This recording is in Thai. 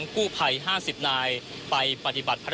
คุณทัศนาควดทองเลยค่ะ